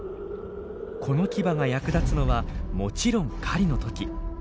この牙が役立つのはもちろん狩りの時。